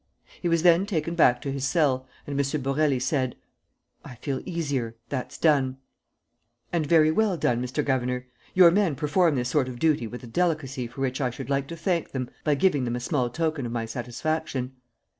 He was then taken back to his cell and M. Borély said: "I feel easier. That's done." "And very well done, Mr. Governor. Your men perform this sort of duty with a delicacy for which I should like to thank them by giving them a small token of my satisfaction."